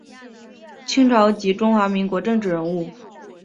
清朝及中华民国政治人物。